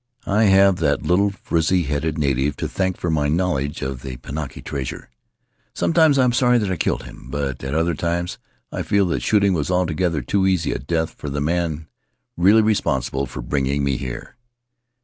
I have that little frizzly headed native to thank for my knowl edge of the Pinaki treasure. Sometimes I am sorry that I killed him; but at other times I feel that shooting was altogether too easy a death for the man really responsible for bringing me here.